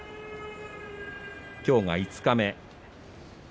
きょうが五日目。